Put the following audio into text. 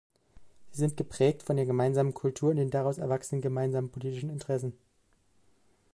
Sie sind geprägt von der gemeinsamen Kultur und den daraus erwachsenen gemeinsamen politischen Interessen.